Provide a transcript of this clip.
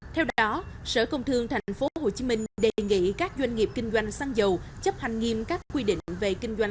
theo đó sở công thương tp hcm đề nghị các doanh nghiệp kinh doanh xăng dầu chấp hành nghiêm các quy định về kinh doanh